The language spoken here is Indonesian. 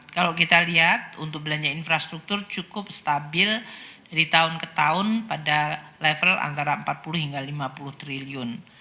kalau kita lihat untuk belanja infrastruktur cukup stabil dari tahun ke tahun pada level antara empat puluh hingga lima puluh triliun